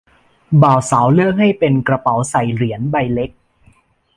บ่าวสาวเลือกให้เป็นกระเป๋าใส่เหรียญใบเล็ก